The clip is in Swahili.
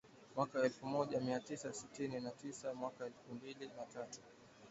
mwaka elfu moja mia tisa tisini na tisa na mwaka elfu mbili na tatu